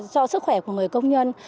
cho sức khỏe của người công nhân